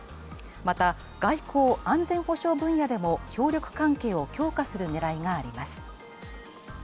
また、外交・安全保障分野でも協力関係を強化する狙いがあります。